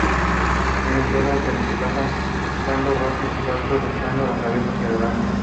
En el suelo se desplaza dando rápidos saltos, echando la cabeza hacia delante.